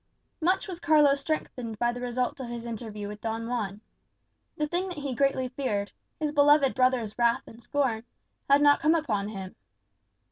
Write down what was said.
Much was Carlos strengthened by the result of his interview with Don Juan. The thing that he greatly feared, his beloved brother's wrath and scorn, had not come upon him.